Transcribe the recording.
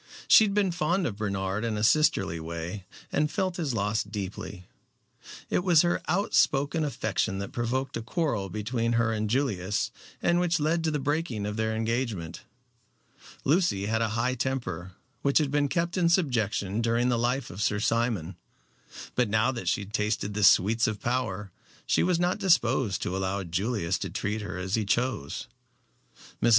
She had been fond of Bernard in a sisterly way, and felt his loss deeply. It was her outspoken affection that provoked a quarrel between her and Julius, and which led to the breaking of their engagement. Lucy had a high temper, which had been kept in subjection during the life of Sir Simon. But now that she tasted the sweets of power she was not disposed to allow Julius to treat her as he chose. Mrs.